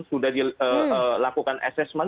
sudah dilakukan assessment